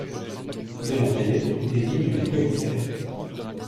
De La Fayette désigne les commissaires!